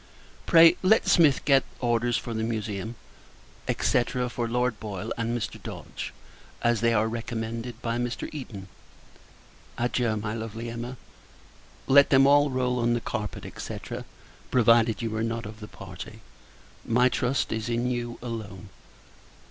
Pray, let Smith get orders for the Museum, &c. for Lord Boyle and Mr. Dodge, as they are recommended by Mr. Eden. Adieu, my lovely Emma! Let them all roll on the carpet, &c. provided you are not of the party. My trust is in you alone.